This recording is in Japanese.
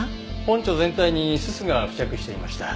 ポンチョ全体にすすが付着していました。